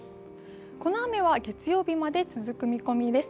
この雨は月曜日まで続く見込みです。